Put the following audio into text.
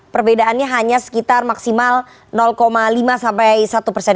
perbedaannya hanya sekitar maksimal lima sampai satu persen